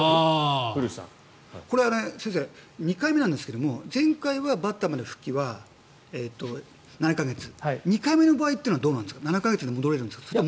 これは先生、２回目ですが前回はバッターまでの復帰は７か月２回目の場合はどうなんですか７か月で戻れるんですか？